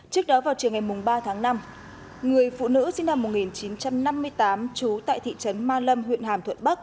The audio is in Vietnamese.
trước đó vào chiều ngày ba tháng năm người phụ nữ sinh năm một nghìn chín trăm năm mươi tám trú tại thị trấn ma lâm huyện hàm thuận bắc